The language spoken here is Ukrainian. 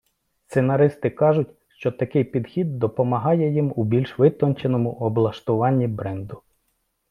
Сценаристи кажуть, що такий підхід допомагає їм у більш витонченому облаштуванні бренду.